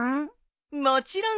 もちろんさ。